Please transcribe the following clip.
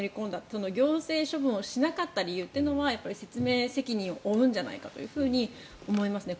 その行政処分をしなかった理由というのはやっぱり説明責任を負うんじゃないかと思いますね。